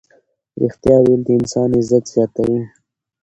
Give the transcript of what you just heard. ریښتیا ویل د انسان عزت زیاتوي.